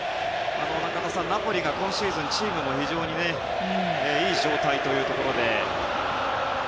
中田さん、ナポリが今シーズンチームが非常にいい状態というところで。